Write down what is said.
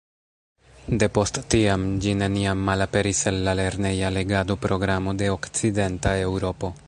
Depost tiam ĝi neniam malaperis el la lerneja legado-programo de okcidenta Eŭropo.